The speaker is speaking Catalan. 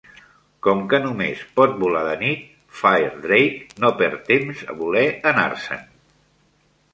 Com que només pot volar de nit, Firedrake no perd temps a voler anar-se'n.